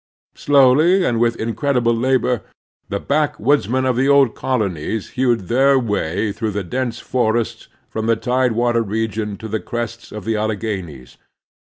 Slowly and with incredible labor the backwoodsmen of the old colonies hewed their way through the dense forests from the tide water region to the crests of the Alleghanies.